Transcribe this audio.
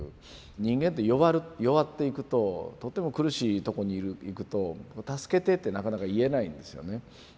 人間って弱っていくととても苦しいとこにいくと助けてってなかなか言えないんですよね。